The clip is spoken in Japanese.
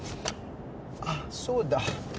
あっそうだ。